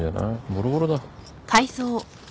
ボロボロだ。